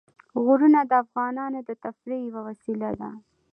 غرونه د افغانانو د تفریح یوه وسیله ده.